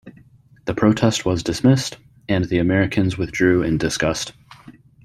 The protest was dismissed, and the Americans withdrew in disgust.